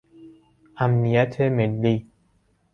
امنیت ملی